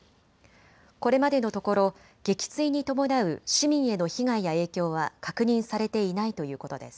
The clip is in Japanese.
これまでのところ、撃墜に伴う市民への被害や影響は確認されていないということです。